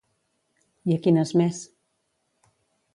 I a quines més?